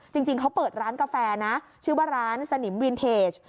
จริงเขาเปิดร้านกาแฟนะชื่อว่าร้านสนิมวินเทจ